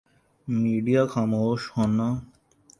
media خاموش ہونا